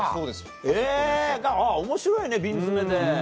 えぇ面白いね瓶詰めで。